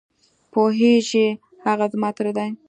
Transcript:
پوهېږې؟ هغه زما تره دی.